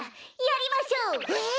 やりましょう！え！？